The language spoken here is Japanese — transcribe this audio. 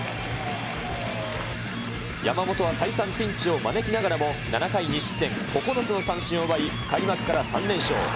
山本は再三、ピンチを招きながらも、７回２失点、９つの三振を奪い、開幕から３連勝。